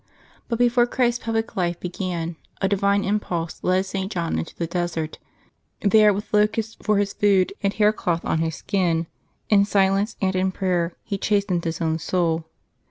But before Christ's public life began, a divine impulse led St. John into the desert ; there, with locusts for his food and haircloth on his skin, in si lence and in prayer, he chastened his own soul.